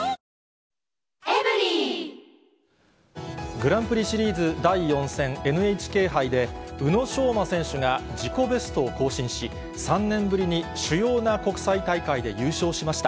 グランプリシリーズ第４戦、ＮＨＫ杯で、宇野昌磨選手が自己ベストを更新し、３年ぶりに主要な国際大会で優勝しました。